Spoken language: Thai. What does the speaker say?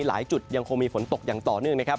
หลายจุดยังคงมีฝนตกอย่างต่อเนื่องนะครับ